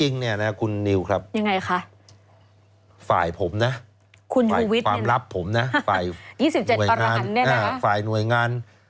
จริงนะครับคุณนิวครับฝ่ายผมนะฝ่ายความลับผมห้ายหน่วยงาน